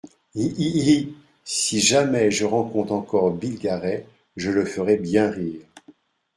Hi ! hi ! hi ! Si jamais je rencontre encore Bill Garey, je le ferai bien rire.